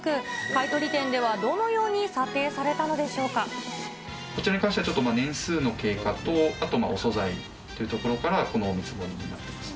買い取り店では、どのように査定こちらに関しては、ちょっと年数の経過と、あと、お素材というところから、このお見積もりになってます。